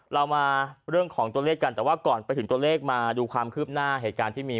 เรามาเรื่องของตัวเลขกันแต่ว่าก่อนไปถึงตัวเลขมาดูความคืบหน้าเหตุการณ์ที่มี